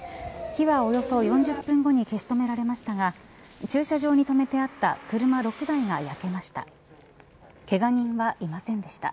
火は、およそ４０分後に消し止められましたが駐車場に止めてあった車６台が焼けました。